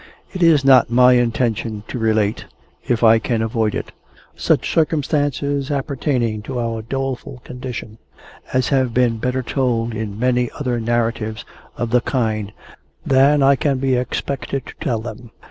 It is not my intention to relate (if I can avoid it) such circumstances appertaining to our doleful condition as have been better told in many other narratives of the kind than I can be expected to tell them.